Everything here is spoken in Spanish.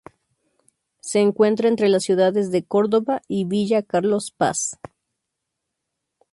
Se encuentra entre las ciudades de Córdoba y Villa Carlos Paz.